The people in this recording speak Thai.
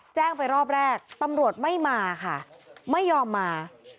แจ้งไปรอบแรกตำรวจไม่มาค่ะไม่ยอมมา